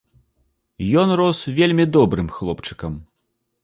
Ён рос вельмі добрым хлопчыкам.